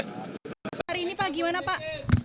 hari ini pak gimana pak